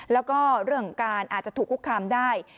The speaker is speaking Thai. แล้วก็เรื่องการอาจจะถูกคุกคามได้